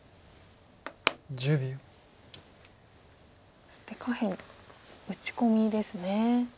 そして下辺打ち込みですね。